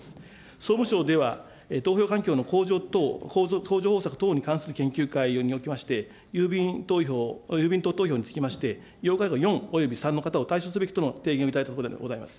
総務省では、投票環境の向上、等に関する研究会におきまして、郵便投票、郵便等投票につきまして、要介護４および３の方を対象とすることを提言をいただいたところであります。